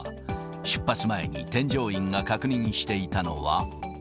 出発前に添乗員が確認していたのは。